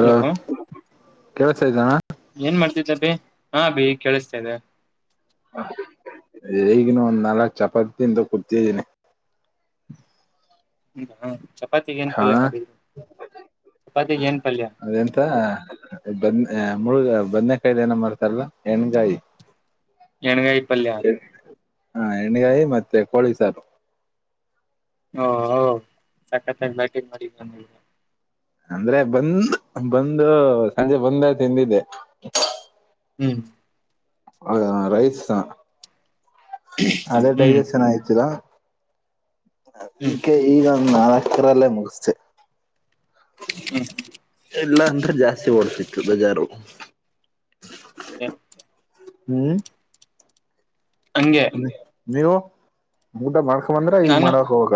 Hello ಕೆವ ಸೈಾನ ಏನ್ ಮಾಡ್ತಿದ್ದ ಬಿ ಹಾ ಬಿೀ ಕೇಳಿಸ್ತಾದೆ ಈಗಿನ ಒಂದ್ ನಾಲ್ಕ್ ಚಪಾತಿಿಂದ ಕುತಿದ್ದೀನಿ ಹ್ಮ ಹ ಚಪಾತಿ ಏನ್ ಹಾ ಪಾಲ್ಯ ಮಾಡಿದರು ಚಪಾತಿ ಏನ್ ಪಾಲ್ಯ ಅ ಮುಳುಗ ಬದ್ಕಾಯಿಲ್ ಏನ ಮರ್ತಾರಲ್ಲ ಹೆಣಗಾಯಿ ಾನ ಕಾಯಿಪಲ್ಲ ಎಣ್ಣಗಾಯಿ ಮತ್ತೆ ಕೋಳಿ ಸಾರು ಹ ತಕತ್ತ ಬ ಮಾಡ ಅಂದ್ರೆ ಬಂದ್ ಬಂದು ಸಂಜೆ ಬಂದ ತಿಂದಿದ್ದೆ ಹ್ಮ್ ಹ ರೈಸ್ಾ ಅದೇ ಹ್ಮ್ ಡೈಜೆಸ್ನ್ ಆಯತರಾ ಹ್ಮ್ ಈಕ್ಕೆ ಈಗ ನಾಲ್ ಅಕ್ಷರ ಅಲ್ಲೇ ಮುಗ ಹ್ಮ್ [inaudible] ಇಲ್ಲಾ ಅಂದ್ರೆ ಜಾಸ್ತಿ ಓಡ್ತಿತ್ತು ಬಜಾರು ಅ ಹ್ಮ್ ಹಂಗೆ ನೀವು ಮುಊಟ ಮಾಡಕ ತಕಂದ್ರ ಈಗ ನಾನು ಮಾಡಕ್ ಹಾಗ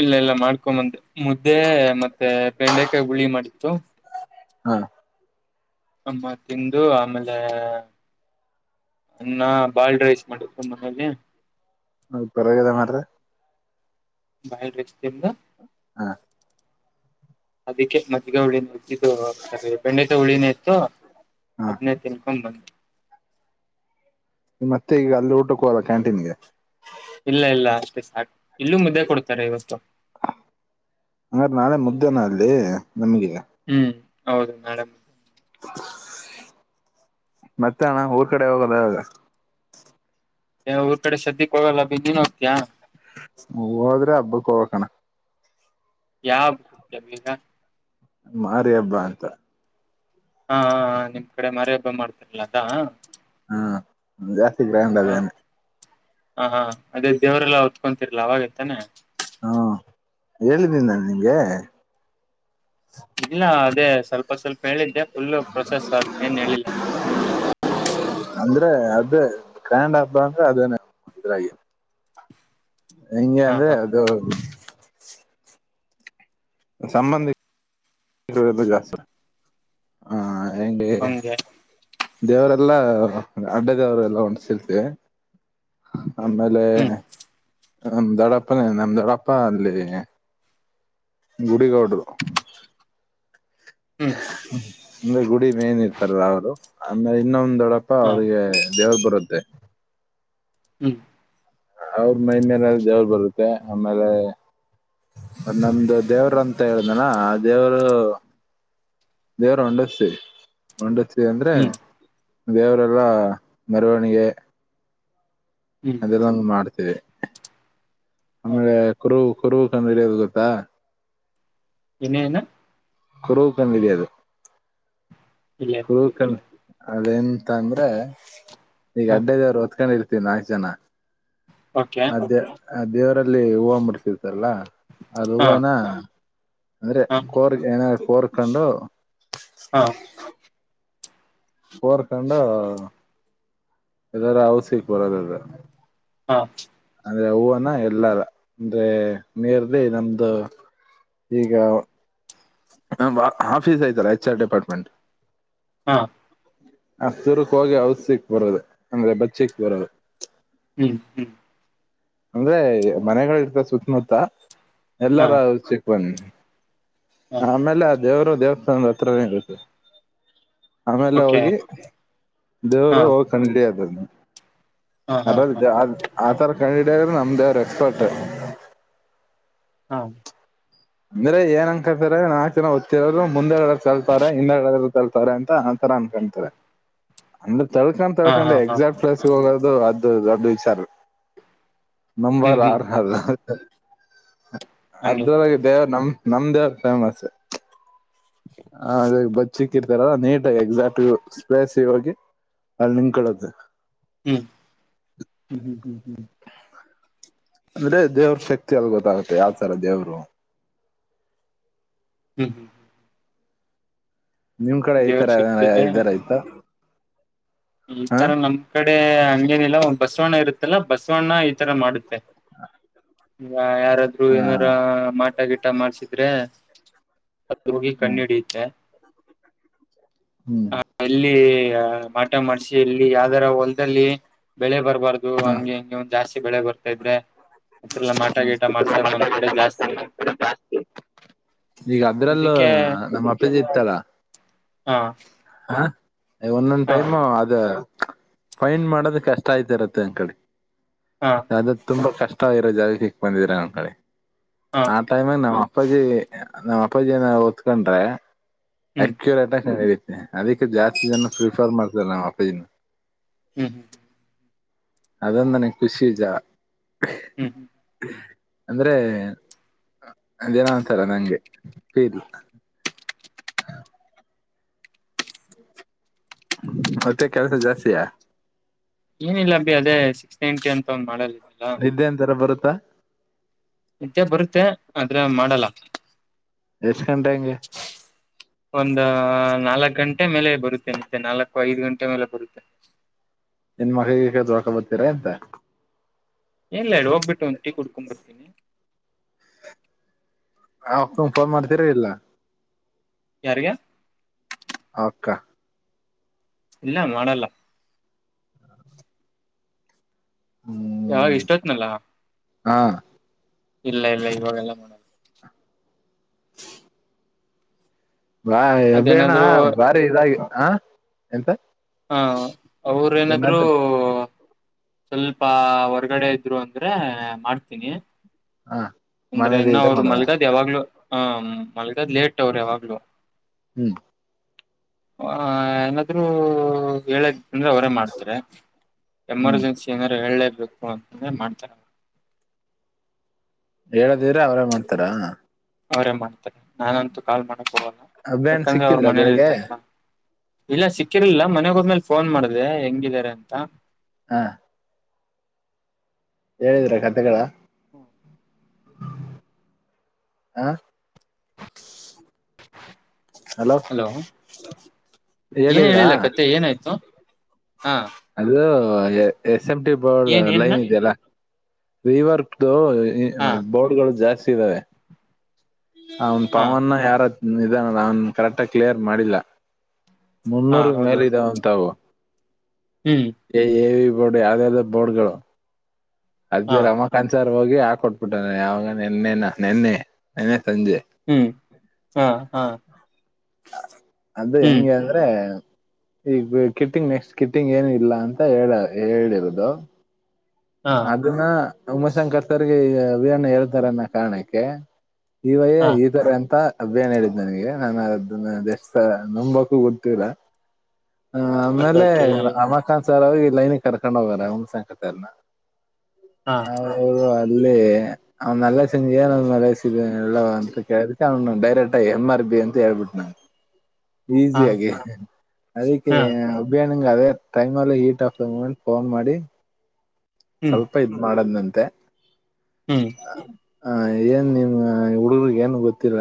ಇಲ್ಲ ಇಲ್ಲ ಮಾಡ್ಕೊಂಬಂದೆ ಮುದ್ದೆ ಮತ್ತೆ ಬೆಂಡೆಕಾಯಿ ಹುಳಿ ಮಾಡಿತ್ತು ಹಾ ಅಮ್ಮ ತಿಂದು ಆಮೇಲೆ ಅನ್ನ ಬಾಲ್ಡ್ ರೈಸ್ ಮಾಡಿದ್ರು ಮನೇಲಿ ಅದು ಪರಗದ ಮ್ರೆ ಬಹಳ ರಷ್ಟತಿ್ದ ಹಾ ಅದಕ್ಕೆ ಮಜ್ಗೌಳಿಂದ ಇದು ಸರಿ ಬೆಂಡಟ ಉುಳಿನೇ ಇತ್ತು ಹಾ ಹದನೇ ತಿನ್ಕೊಂಡ್ ಬಂದು್ ಮತ್ತೆ ಈಗ ಅಲ್ಲಿ ಊಟಕ್ಕೆ ಹಲ್ಲ ಕ್ಯಾಂಟೀನ್ಗೆ ಇಲ್ಲ ಇಲ್ಲ ಅಷ್ಟೇ ಸಾಕ ಇಲ್ಲೂ ಮುದ್ದೆ ಕೊಡ್ತಾರೆ ಇವತ್ತು ಹಂಗ ನಾಳೆ ಮುದ್ದೇನ ಅಲ್ಲಿ ನಮಗಿಲ್ಲ ಹ್ಮ್ ಹೌದು ನಾಡೆ ಮ ಮತ್ತೆ ಅಣ್ಣ ಊರ್ ಕಡೆ ಹೋಗದ ಇಾಗ ಊರ್ ಕಡೆ ಸದ್ಯಕ್ ಹೋಗಲ್ಲ ಬ ನೀನ್ ಹೋಗ್ತಿಯಾ ಮೂದರ ಹಬ್ಬಕ್ ಹೋಗ್ಬೇಕು ಅಣ್ಣ ಯಾವಾಗ ಮಾರಿ ಹಬ್ಬಾ ಅಂತ ಹಾ ನಿಮ್ ಕಡೆ ಮರಿ ಹಬ್ಬ ಮಾಡ್ತಾರಲ ಅದಾ ಹ್ಮ ಸಿದೇನೆ ಹ [inaudible] ಹ ಹಾ ಅದೇ ದೇವರೆಲ್ಲ ಹೊತ್ಕೊತಿರ್ಲಾ ಅವಾಗೈತಾನೆ ಹಾ ಹೇಳಿದ್ದೀನಿ ನಾನು ನಿಮ್ಗೆ ಇಲ್ಲ ಅದೇ ಸ್ವಲ್ಪ ಸ್ವಲ್ಪ ಹೇಳಿದ್ದೆ ಫುಲ್ ಪ್ರೊಸೆಸ್ ಏನ್ ಹೇಳಿಲ್ಲ ನೀನು ಅಂದ್ರೆ ಅದೇ ಗ್ರಾಂಡ್ ಹಬ್ಬ ಅಂದ್ರೆ ಅದೇನೆ ಇದ್ರಾಗಿ [inaudible] ಹಂ ಹ ಅಂದ್ರೆ ಹ ಅದು ಸಂಬಂಧಕ್ ಹ ಅಗೆ ಹಂಗೆ [inaudible] ದೇವರೆಲ್ಲಾ ಅಡ್ಡ ದೇವರು ಎಲ್ಲಾ ಒಣಸರ್ತವಿ ಆಮೇಲೆ ಹ್ಮ್ ನಮ್ ದೊಡಪ್ಪನೇ ನಮ ದೊಡಪ್ಪ ಅಲ್ಲಿ ಗುಡಿಗೌಡರು ಹ್ಮ್ ಅಂದ್ರೆ ಗುಡಿ ಮೇನ್ ಇರ್ತಾರ ಅವರು ಅಮೇಲೆ ಇನ್ನೊಂದು ದೊಡ್ಡಪ್ಪಾ ಹ ಅವ್ರರಿಗೆ ದೇವ್ರರು ಬರೋ [unintelligible] ಹ್ಮ್ ಅವ್ರ ಮೈ ಮೇಲೆಲ್ ದೇವರು ಬರುತ್ತೆ ಆಮೇಲೆ ನಮ್ದು ದೇವ್ರ ಅಂತ ಹೇಳ್ದನ ಆ ದೇವರು ದೇವರ ಒಂಡಸ ಒಂಡ ಅಂದ್ರೆ ಹ್ಮ್ ದೇವರೆಲ್ಲ ಮರವಣಿಗೆ ಹ್ಮ್ ಅದೆಲ್ಲ ಮಾಡ್ತೇವಿ ಹ ಆಮೇಲೆ ಕುರು ಕುರ್ಕಂಡು ಇಡಿಯೋದು ಗೊತ್ತಾ ನ ನ [inaudible] ಕುರಕಾಣ ಕಡಾದ [inaudible] ಇ [inaudible] ಅದ ಎಂತ ಅಂದ್ರೆ ಈಗ ಹ ಅಡ್ಡದವ್ರು ಹೊತ್ಕೊಂಡಿರಿ ನಾಕ್ ಜಾನ ಓಕೆ [inaudible] ಅದೇ ಆ ದೇವರಲ್ಲಿ ಹೂವು ಮಾಡರ್ತಿರ್ತಾರಲ್ಲ ಅದ ಹ ಹೂವನಾ ಅಂದ್ರೆ ಹ ಕೋರ್ ಏನ ಕೋರ್ಕಂಡು ಹಾ ಪರ್ ಕಂಡ ಎದರೂ ಅವಸ್ಯಕ್ ಬರದದ ಹಾ ಅಂದ್ರೆ ಹೂನ ಎಲ್ಲಾರ ಅಂದ್ರೆ ಮೇರ್ಲಿ ನಮ್ದು ಈಗ ಆಫೀಸ್ ಐ್ತಲ್ಲ ಎಚ್ ಆರ್ ಡಿಪಾರ್ಟ್ಮೆಂಟ್ ಹಾ ಹ ಸೂರಕ್ ಹೋಗಿ ಔಸಕ್ ಬರೋದು ಅಂದ್ರೆ ಬಚ್ಚಿಕ್ ಬರೋದು ಹ್ಮ್ ಹ್ಮ್ ಅಂದ್ರೆ ಮನೆಗಳ ಇರ್ತ ಸುತ್ತಮುತ್ತ ಹ ಎಲ್ಲಾರ ಸಿಕ್ ಹ ಆಮೇಲೆ ದೇವರು ದೇವಸ್ಥಾನ ಅತ್ರಸ ಆಮೇಲೆ ಓಕೆ ಹೋಗಿ ಹಾ ದೇವರು ಹೋಗ ಖಂಡಡಿ ಅದದ ಹಾ ಹಾ ಅರ ಹಾ ಆ ತರ ಕಡರು ನಮದರು ಎಕ್ಸ್ಪರ್ಟ್ ಹಾ ಅಂದ್ರೆ ಏನ್ ಅನ್ಕಳ್ತಾರೆ ನಾಲ್ ಚನಓದತ್ತಿರೋರು ಮುಂದೆ ಎ ತಲ್ತಾರ ಹಿಂದೆಡ ತಲ್ತಾರೆ ಅಂತ ಆತರ ಅನ್ಕೊತಾರೆ ಅಂದ ತಳ್ಕೊಂಡು ಹಾ ಹಾ ತಳ್ಕೊಂಡ ಹಾ ಹಾ ಹಾ. ಎಕ್ಸಾಕ್ಟ್ ಪ್ಲಸ್ ಅದು ಅದು ಅದು ಅದು ವಿಚಾರ ಹ್ಮ್ ಹ್ಮ್ ನಂಬರ್ ಆರು ಹ ನಂಗ ನಮ್ದ್ ಫೇಮಸ್. ಹ ಅದ ಬಚ್ಚಿಕ್ಕರ್ತಾರ ನೀಟಾಗಿ ಎಕ್ಸಾಕ್ಟ್ ಸ್ಲೇಸ್ ಗ ಹೋಗಿ ಅಲ್ಲಿ ನಿಂತಕೊಳ್ಳೋದು. ಹ್ಮ್ ಹ್ಮ ಹ್ಮ್ ಹ್ಮ್ ಹ್ಮ್. ಅಂದ್ರೆ ದೇವ್ರ ಶಕ್ತಿ ಅಲ್ಲ ಗೊತ್ತಾಗುತ್ತೆ ಯಾವ್ ತರ ದೇವರು. ಹ್ಮ್ ಹ್ಮ್. ನಿಮ್ ಕಡೆ ದೇವ್ರ ಈತರ ಶಕ್ತಿಲೆ ಇದ್ದಾರ ಐತ ಈ ತರ ನಮ್ ಕಡೆ ಹಂಗೇನಿಲ್ಲ ಓ ಬಸವಣ್ಣ ಇರತ್ತಲ್ಲ ಬಸವಣ್ಣ ಈ ತರ ಮಾಡುತ್ತೆ. ಹ ಯಾ ಯಾರಾದ್ರರು ಏನಾರ ಮಾಟ ಗಿಟ್ ಟ ಮಾಡ್ಸಿದ್ರೆ ಅದು ಹೋಗಿ ಕಣ್ಣ ಹ್ಮ್ ಹಿಡಿಯುತ್ತೆ. ಹ್ಮ್ ಹ ಅಲ್ಲಿ ಯಾ ಮಾಡಿಸಿ ಎಲ್ಲ ಯಾ ಅದರ ಹೊಲ್ದಲ್ಲಿ ಬೆಳೆ ಬರ್ಬಾರ್ದು ಹ ಹಂಗೆ ಹಿಂಗೇ ಮ ಜಾಸ್ತಿ ಬೆಳೆ ಬರ್ತ ಇದ್ರೆ ಅತ್ರಲ್ಲ ಮಾಟ ಗೀಟ ಮಾಡ್ಸೋದ್ ನಮ್ ಕಡೆ ಜಾಸ್ತಿ ಈಗ ಅದ್ರಲ್ಲೂ ಅದಕ್ಕೆ ನಮ್ಮ ಅಪ್ಪಂದ ಇತ್ತ ಅಲ್ ಹ್ನ. ಹ್ನ ಒಂದೊಂದ ಟೈಮ ಅದ ಫೈನ್ ಮಾಡೋದ ಕಷ್ಟ ಆಯ್ತಿ ಇರತ್ತೆ ಅಂಕಳಿ ಹಾ ಅದ ತುಂಬಾ ಕಷ್ ಇಷ್ಟ ಇರೋ ಜಾಗಾಕ್ಕ ಸಿಕ್ ಬಂದಿದ್ರರ ಅಂಕೋಳಿ ಹಾ ಹಾಟೈಮ ನ ಅಪ್ಪಾಜಿ ನಮ್ಮ್ ಅಪ್ಪಾಜಿಯನ ಹೊತ್ಕೊಂಡ್ರೆ ಹ್ಮ್ ಅಕ್ಯುರೇಟ್ ಆಗಿ ಹಿ ಅದಕ್ಕೆ ಜಾಸ್ತಿ ಜನ ಪ್ರಿಫರ್ ಮಾಡ್ತಾರೆ ನಮ್ಮ್ ಅಪ್ಪಾಜಿನ ಹ್ಮ್ ಹ್ಮ್. ಅದೊಂದನ ಖುಷಿ ಜಾ ಹ್ಮ್. ಅಂದ್ರೆ ಅದೇನ ಒಂತರ ನಂಗ ಫೀರ್ ಮತ್ತೆ ಕೆಲ್ಸ ಜಾಸ್ತಿಯಾ. ಏನಿಲ್ಲ ಅಬಿ ಅದೇ ಸಿಕ್ಸ್ ನೈನ್ಟಿ ಅಂತ ಒಂದ್ ಮಾಡಲ್ ಇದೆಲ್ಲ ನಿದ್ದೆ ಅಂತರ ಬರುತ್ತೆ [inaudible] ನಿದ್ದೆ ಬರುತ್ತೆ ಆದ್ರೆ ಮಾಡಲ್ಲ ಎಷ್ಟ್ ಗಂಟೆ ಹಂಗೆ ಒಂದ ನಾಲ್ಕ ಗಂಟೆ ಗಂಟೆ ಮೇಲೆ ಬರುತ್ತೆ ನಿದ್ದೆ ನಾಲ್ಕು ಐದು ಗಂಟೆ ಮೇಲೆ ಬರುತ್ತೆ ಏನ್ ಮೋಖಗೀಕ ತೊಳ್ಕೊ ಬರ್ತೀರಾ ಎಂತ ಎಲ್ಲ ಹೇಳಿ ಹೋಗ್ಬಿಟ್ಟು ಒಂದು ಟೀ ಕುಡ್ಕೊಂಡ್ ಬರ್ತೀನಿ ಅವಕ್ ಫೋನ್ ಮಾಡ್ತಿರ ಇಲ್ಲ ಯಾರಿಗೆ ಅವಕ್ಕ ಇಲ್ಲ ಮಾಡಲ್ಲ ಯಾವಾಗ ಹ್ಮ್ ಎಸ್ಟೊಡಲಾ ನಲ್ಲ ಹಾ ಇಲ್ಲ ಇಲ್ಲ ಇವಾಗೆಲ್ಲ ಮಾಡದು ಬಾ ಅಬೇಣ್ಣ ಅದೇನಾದ್ರು ಬಾರಿ ಇದಾಗಿ ಹ ಎಂತ ಹಾ ಅವ್ರ ಏನಾದ್ರು ಏನಾದ್ರ ಸ್ವಲ್ಪ ಹೊರ್ಗಡೆ ಇದ್ರು ಅಂದ್ರೆ ಮಾಡ್ತೀನಿ ಹ ಅಂದ್ರೆ ಮನೇಲಿ ಇನ್ನು ಇದ್ರೆ ಅವ್ರು ಮಾಡದ ಮಲ್ಗದ್ ಯಾವಾಗ್ಲೂ ಹ ಮಲ್ಗದ್ ಲೇಟ್ ಅವ್ರಿ ಯಾವಾಗ್ಲುೂ ಹ್ಮ್ ಆ ಏನಾದ್ರೂ ಹೇಳೇ ಅಂದ್ರೆ ಅವರೇ ಮಾಡ್ತಾರೆ ಹ್ಮ್ ಎಮರ್ಜೆನ್ಸಿ ಏನಾದಾರು ಹೇಳೇಬೇಕು ಮಾಡ್ತಾರೆ ಹೇಳದಿರ ಅವ್ರೇ ಮಾಡ್ತಾರಾ ಅವ್ರೇ ಮಾಡ್ತಾರೆ ನಾನನ್ಂತೂ ಕಾಲ್ ಮಾಡ್ ಅಭಿಯಾನ್ ಯಾಕಂದ್ರೆ ಅವರು ಸಿಕ್ಕಿದ್ರ ಮನೇಲಿ ಬೆಳಿಗ್ಗೆ ಇತಾರಲ್ಲ ಇಲ್ಲ ಸಿಕ್ಕಿರ್ಲಿಲ್ಲ ಮನೆ ಹೋದ್ಮೇಲೆ ಫೋನ್ ಮಾಡ್ದ ಹೆಂಗಿದಿದ್ದಾರೆ ಅಂತ ಹಾ ಹೇಳಿದ್ರ ಕಥೆಗಳ [inaudible] [inaudible] ಹಲೋ ಏನ್ ಹೇಳಿದ್ರಾ ಹೇಳಿಲ್ಲ ಕಥೆ ಏನಾಯ್ತು ಹಾ ಅದು ಸೆಮ್ಟಿ ಬೋರ್ಡ್ ಏನ್ ಏನ್ನ ಲೈನ್ ಇದೆಯಲ್ಲಾ ರಿವಾರ್ಕ್ ದು ಹಾ ಬೋರ್ಡ್ ಗಳು ಜಾಸ್ತಿ ಾವ ಹನ್ ಹಾ ಪವನ ಯಾರ ಇದಾನ ನಾನನ್ ಕರೆಕ್ಟಾಗಿ ಕ್ಲಿಯರ್ ಮಾಡಿಲ್ಲ ಹಾ ಮುನ್ನೂರ ಹೌದು ಮೇಲ್ ಇದಾವಂತವು ಹ್ಮ್ ಈ ಬೋರ್ಡ್ ಯಾವ್ದ ಯಾವ್ದದ ಬೋರ್ಡ್ ಗಳು ಹಾ ಅದ ರಮಖಾನ್ಸರ್ ಹೋಗಿ ಹಾಕ ಕೊಟ್ಬಿಟ್ಟ ಯಾವಾಗ ನೆನ್ನೆನ ನೆನ್ನೆ ಸಂಜೆ ಹ್ಮ್ ಹಾ ಹಾ ಅದು ಹ್ಮ್ ಹೆಂಗಗೆ ಅಂದ್ರೆ ಈಗ ಕಿಟ್ಟಿಂಗ್ ನೆಕ್ಸ್ಟ್ ಕಿಟ್ಟಿಂಗ್ ಏನ ಇಲ್ಲ ಅಂತ ಹೇಳ ಹೇಳಿರದು ಹಾ ಅದನ್ನ ಉಮ್ಮಶಂ ಕರ್ತರ್ರಿಗೆ ವಿಯ್ಣ ಹೇಳ್ತಾರನ್ನ ಕಾರಣಕ್ಕೆ ಇವಯೇ ಹಾ ಇದ್ದಾರೆ ಅಂತ ಅದೇನ್ ಹೇಳಿದ್ದು ನನಗೆ ನಾನು ಅದನ್ನ ಎಷ್ಟಸ ನಂಬಕು ಗೊತ್ತಿಲ್ಲ ಹ ಓಕೆ ಆಮೇಲೆ ಓಕೆ ರಮಕಾಂತ್ ಸರ್ ಅವ ಲೈನ್ಿಗೆ ಕರ್ೊಂಡ ಹೋಗಾರ ಹ್ಕ ಹಾ ಹ ಅವರು ಅದಲ ಅವ್ನಲ್ಲ ಸಂಜೆ್ಳಸ ಎಲ್ಲ ಅಂತ ಕೇಳದಕ್ಕೆ ಅವ್ನು ಡೈರೆಕ್ಟ್ ಎಮ್ ಆರ್ ಬಿ ಅಂತ ಹೇಳ್ಬಿಟ್ಟು ನನ್ು ಹಾ ಈಸಿಯಾಗಿ ಅದಕ್ಕೆ ಹಾ ನಿಂಗೆ ಅದೇ ಟೈಮಲ್ಲಿ heat of the moment phone ಮಾಡಿ ಹ್ಮ್ ಸ್ವಲ್ಪ ಇದ್ ಮಾಡದ್ ನಂಂತೆ ಂತೆ ಹ್ಮ್ ಹ ಏನ್ ನಿಮ್ ಹುಡುಗ್ರಗ್ ಏನ್ ಗೊತ್ತಿರ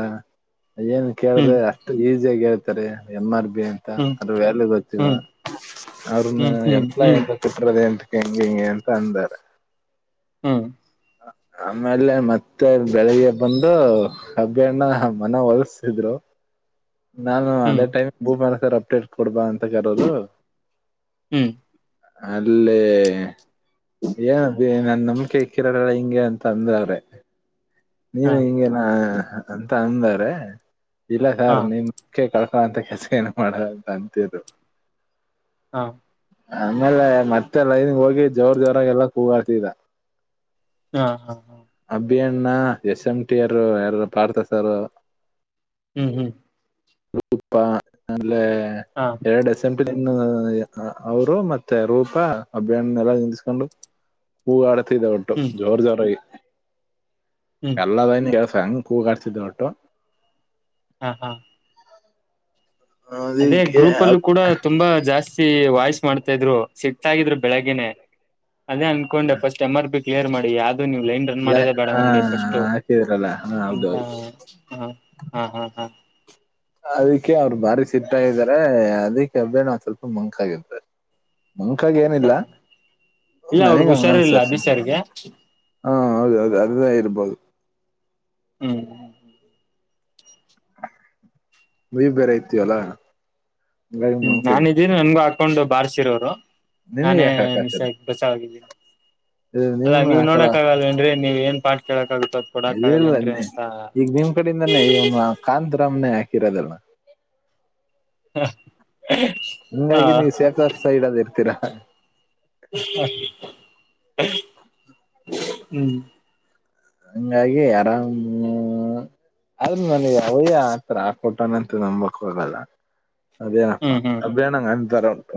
ಏನ್ ಹ್ಮ್ ಕೇಳಿದ್ರೆ ಅಷ್ಟು ಈ ಹೇಳ್ತಾರೆ ಎಮ ಆರ್ ಬಿ ಅಂತ ಹ್ಮ್ ಅ್ರ ವ್ಯಾಲ್ಯೂ ಗೊತ್ತಿವ ಹ್ಮ್ ಹ್ಮ್ ಅವ್ರನ್ನ ಹ್ಮ್ ಹ್ಮ್ ಎಂಪ್ಲಾಯ್ ಹ್ಮ್ ಅಂತ ಕುಟ್ಟರದ ಎಂತ ಹೆಂಗ ಹಿಂಗೆ ಅ ರ ಹ್ಮ್ ಆಮೇಲೆ ಮತ್ತೆ ಮ ಬೆಳಿಗ್ಗೆ ಒಂದು ಹಬ್ಬಿಯಣ್ಣ ಮನ ಹೊಲಸಿದ್ರು ನಾನು ಹ್ಮ್ ಅದೇ ಟೈಮ್ ಭೂ ಮ ಸರ್ ಅಪ್ಡೇಟ್ ಕೊಡ್ಬ ಅಂತ ಕರೆದರು ಹ್ಮ್ ಅಲ್ಲೇ ಏನ್ದ ನಾನ್ ನಂಬಿಕೆ ಇಕ್ಕಿರೋಲ್ಲ ಹಿಂಗೆ ಅಂತ ಅಂದವ್ರೆ ಹಾ ನೀನು ಹಿಂಗೆನಾ ಅಂತ ಅಂದ [inaudible] ಇಲ್ಲ ಹಾ ಸರ್ ನಿಮ ಕ ಹ ಅಂತ ಕೆಸ ಏನು ಮಾಡ ಅಂತ ಅಂತಿದರು ಹಾ ಆಮೇಲೆ ಮತ್ತೆ ಲೈನ್ ಹೋಗಿ ಜೋರ್ ಜೋರ ಗ ಎಲ್ಲಾ ಕೂಗಾಡ್ತಿದ್ದ ಹಾ ಹಾ ಹಾ ಭಿಯಣ್ಣ ಎಸ್ ಎಂ ಟಿ ಯರು ಯಾರ ಪಾರ್ಥಸಾರ ಹ್ಮ್ ಹ್ಮ್ ರೂಪ ಲೆ ಹಾ ಎರಡು ಸೆಂಪ ಇ ಅವರು ಮತ್ತೆ ರೂಪಾ ಅಭಿಯ್ಣ ಎಲ್ಲಾ ನಿಂತಸ್ಕೊಂಡು ಕೂಗಾಡಿ ತ ಒಟ್ಟು ಹ್ಮ್ ಜೋರ್ ಜೋರಾಗಿ ಹ್ಮ್ ಎಲ್ಲದ ಕೆ ಸಂಗ ಕೂಗಾಡ್ತಿದ್ ಅಟೋ ಹಾ ಹಾ [inaudible] ಅದೇ ಅದಕ್ಕೆ ಗ್ರೂಪ್ ಅಲ್ಲೂ ಕೂಡ ತುಂಬಾ ಜಾಸ್ತಿ ವಾಯ್ಸ್ ಮಾಡ್ತಾ ಇದ್ರು ಸಿಟಗಿದ್ರು ಬೆಳಗ್ಗನೆೇ ಅದೇ ಅನ್ಕೊಂಡೆ first M R P clear ಮಾಡಿ ಯ ನೀವು ಲೈನ್ ರನ್ ಮಾಡದ ಲೈ- ಬೇಡ ಹಾ ನಂಗೆ ಫಸ್ಟ್ ಹಾಕಿದ್ರಲ್ಲ ಹಾ ಅಂತ ಹೌದೌದು ಹ ಹಾ ಹ ಅದಕ್ಕೆ ಅವ್ರು ಭಾರಿ ಸಿಟ್ಟ ಇದಾರೆ ಅದಿಕ್ಕೆ ಅಬ್ಬೇ ನಾ ಸ್ವಲ್ಪ ಮಂಕ ಆಗಿದೆ ಮುಂಖಾಗ ಹ ಏನಿಲ್ಲ ಹ ಇಲ್ಲ ಅವ್ರಗ್ ನನಗ್ ಹುಷಾರಿಲ್ಲ ಹಂಗನ್ಸ್ತ ಅಭಿ ಸರ್ಗೆ ಹಾ ಹೌದೌದು ಅದದ ಇರ್ಬದು ಮಬಲ್ ಹ್ಮ್ ನೀವ್ ಬೇರೆ ಇತ ಅಲ್ಲಾ ಹ್ಮ್ ನಾನ್ ಇದಿದ್ದೀನಿ ನನ್ಗು ಹಾಕೊಂಡ್ ಬಾರ್ಸಿರೋರು ನಿನಗ್ ನಾನೇ ಯಾಕೆ ಮಿಸ ಹಾಕಾತಿರ ಬಸಾವಾಗಿದ್ದೀನಿ ಇದು ನಿಮ್ ಅಲ್ಲಾ ನೀವ್ ಹಾಕಳ ನೋಡಕ್ ಆಗಲ್ಲ ಏನ್ ರಿ ನೀವ್ ಏನ್ ಪಾ ಕೆೇಳಕ್ಕಾಗುತ್ತೆ ಇಲ್ಲ ಈಗ ನಿಮ್ ಕಡೆಯಿಂದಾನೇ ಇವನ್ ಕಾಂತರಾಮ್ನೆ ಕಿರದಲ್ಲಣ ಹಾ ಹಂಗಾಗಿ ನೀವು ಸಫರ್ ಸೈಡದ ಇರ್ತೀರಾ ಹ್ಮ ಹಂಗಾಗಿ ಆರಾಮ್ ಆದ್ರ ನನಗೆ ಯಾವದೇ ಆತರ ಆಕೋಟಾನಂತ ನಂಬಕ್ ಹೋಗಲ್ಲ ಅದೇನಪ್ಪಾ ಹ್ಮ್ ಹ್ಮ್ ಅನಂಗ ಅ ರ ಉಂಟ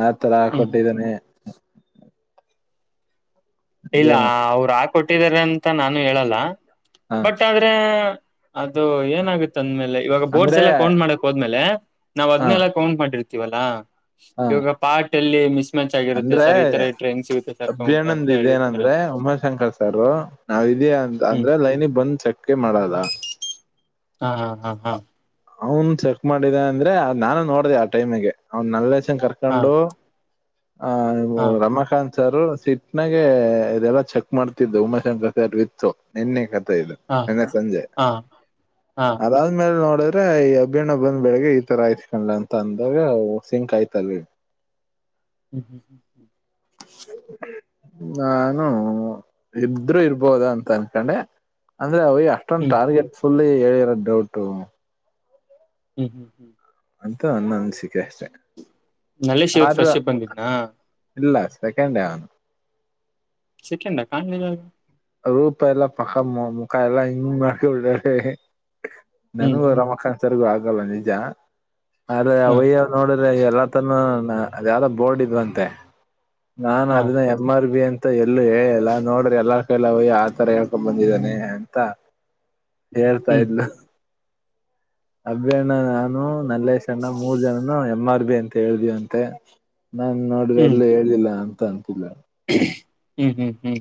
ಆ ತರ ಹ್ಮ್ ಕೊಟ್ಟಿದ್ದೇನೆ ಇಲ್ಲ ಇದೇನ ಅವ್ರು ಆಾ ಕೊಟ್ಟಿದಿದ್ದಾರೆ ಅಂತ ನಾನು ಹೇಳಲ್ಲ ಹ ಬಟ್ ಆದ್ರೆ ಅದು ಏನಾಗುತ್ತ ಅಂದ್ಮೇಲೆ ಇವಾಗ ಬೋರ್ಡ್ಸ್ ಅಂದ್ರೆ ಎಲ್ಲಾ ಕೌಂಟ್ ಮಾಡಕ್ ಹೋದ್ಮೇಲೆ ನಾವ ಹ ಅದ್ನ್ನನೆಲ್ಲ ಕೌಂಟ್ ಮಾಡಿರ್ತಿವಿ ವಲ್ಲಾ ಹ ಯ ಪಾಕ್ ಟಲ್ಲಿ ಮಿಸ್ ಮಚ್ ಆಗರುತ್ತೆ ಅಂದ್ರೆ ಸರ್ ಈ ತರ ಟ್ರೈನ್್ ಸಿಗುತ್ತೆ ಸರ್ಕೊಂಡು ಅಭಿಯಾನಂದ್ ಇದೇನಂದ್ರೆ ಉಮಾಶಂಕರ್ ಸಾರ ನಾವ್ ಇದ್ಯಾ ಅ ಹ್ಮ್ ಅಂದ್ರೆ ಲೈನಿಗೆ ಬಂದ್ ಚೆಕ್ ಮಾಡಲ್ಲ ಹಾ ಹಾ ಹಾ ಹಾ ಅವನ್ ಚೆಕ್ ಮಾಡಿದೆ ಅಂದ್ರೆ ನಾನು ನೋಡ್ದ ಆ ಟೈಮಿಗೆ ಅವ್ ನಲ್ಲೆ ಹಾ ಕರ್ಕಂಡು ಆ ಹಾ ಹಾ ರಮಾಖಾತ್ ಸರ್ ಸಿಟ್ನಾಗ ಇದೆಲ್ಲಾ ಚೆಕ್ ಮಾಡ್ತಿದ್ದು ಉಮಾಶಂಕರ್ ಸರ್ ವಿತ್ತು ನಿನ್ನ. ಇದು ಹಾ ನಿನ್ನೆ ಸಂಜೆ ಹಾ ಹಾ ಅದಾದ್ಮೇಲೆ ನೋ ಡ್ರ ಈ ಅಭಿಣ್ಣ ಬಂದ್ ಬೆಳಗ್ಗೆ ಈ ತರ ಆಯ್ತ್ಕೊಂಡ್ ಅಂತ ಅಂದಾಗ ಸಿಂಕ್ ಆಯ್ತಲ್ ಹ್ಮ್ ಹ್ಮ್ ಹ್ಮ್ ಹ್ಮ್ ನಾನು ಇದ್ರರು ಇರ್ಬೋದ ಅಂತ ಅನ್ಕೊಂಡೆ ಅಂದ್ರೆ ಅವ ಅಷ್ಟೊಂದು ಹ್ಮ್ ಟಾರ್ಗೆಟ್ ಫುಲ್ ಕೇಳಿರೋ ಡೌಟು ಹ್ಮ್ ಹ್ಮ್ ಹ್ಮ್ ಅಂತ ಅನ್ನ ಅನ್ಸ ನಲ್ಲೇಶ್ ಇವತ್ ಆದ್ರ ಫ್ರೆಶ್ ಬಂದಿದ್ನಾ ಇಲ್ಲ ಸೆಕಂಡ್ ೇ ಸಿಕ್ಕಂಡ ಕಾಣಲಿ ರೂಪ ಎಲ್ಲ ಪಕ್ಕ ಮುಖಾಯ ಎಲ್ಲ ಇ ಮಾಡ ಬಿ ಹ್ಮ್ ನನಗೂ ಹ್ಮ್ ರಮಕ್ಕನ್ಸರಿಗೂ ಆಗ ನಾಗಾಲ ಜ ಅದ ಹಾ ಅವಯ್ಯ ನೋಡ ಎಲ್ಲ ತನೂ ಅದ ಯಾರ ಬೋರ್ಡ್ ಇದ್ವಂತೆ ನಾನ್ ಹಾ ಅದನ್ನ ಎಮ್ ಆರ್ ಬಿ ಅಂತ ಮತ್ತ ಎಲ್ಲೂ ಹೇಳಿ ಎಲ್ಲಾ ನೋಡ್ರಿ ಎಲ್ಲ ಕೈಲ್ಲ ಹಯ ಆತರ ಹೇಳ್ಕೊಂಡ ಬಂದಿದ್ದಾನೆ ಅಂತ ಹೇಳ್ತಾ ಹ್ಮ್ ಇದಲ್ಲ ಅಭಿ ಅಣ್ಣ ನಾನು ನಲ್ಲೇಶ ಅಣ್ಣ ಮೂರು ಜನನು ಎಂ ಆರ್ ಬಿ ಅಭಿ ಅಂತ ಹೇಳಿದೆಯಂತೆ ನಾ ನೋಡ್ದೆ ಎಲ್ಲಿ ಹೇಳಿಲ್ಲ ತಂದಕೂಡ್ಲೆ ಹು ಹು ಹು